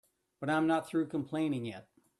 But I'm not through complaining yet.